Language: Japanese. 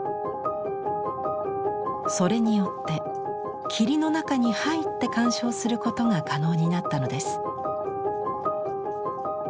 それによって霧の中に入って鑑賞することが可能になったのです。